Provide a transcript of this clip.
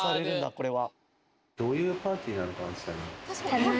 これは。